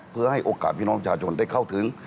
เพื่อให้โอกาสพี่น้องประชาชนได้เข้าถึง